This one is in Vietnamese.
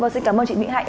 xin cảm ơn chị minh hạnh